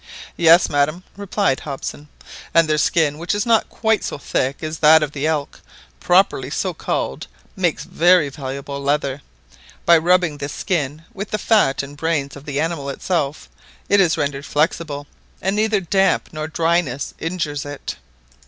"Yes, madam," replied Hobson; "and their skin, which is not quite so thick as that of the elk, properly so called makes very valuable leather. By rubbing this skin with the fat and brains of the animal itself, it is rendered flexible, and neither damp nor dryness injures it.